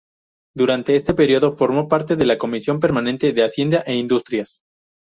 Durante este período formó parte de la comisión permanente de Hacienda e Industrias.